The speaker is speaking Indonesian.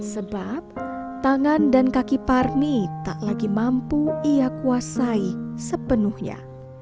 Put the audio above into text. sebab tangan dan kaki parmi tak lagi mampu ia kuasai sepenuhnya